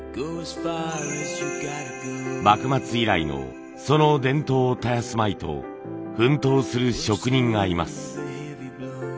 幕末以来のその伝統を絶やすまいと奮闘する職人がいます。